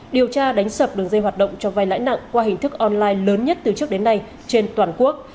điều tra đánh sập đường dây hoạt động cho vai lãi nặng qua hình thức online lớn nhất từ trước đến nay trên toàn quốc